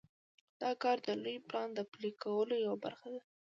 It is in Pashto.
دا کار د لوی پلان د پلي کولو یوه برخه ده.